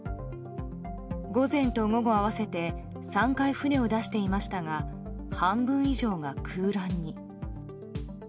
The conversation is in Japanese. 午前と午後合わせて３回船を出していましたが半分以上が空欄に。